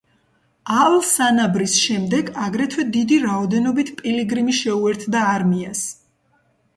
ალ-სანაბრის შემდეგ, აგრეთვე დიდი რაოდენობით პილიგრიმი შეუერთდა არმიას.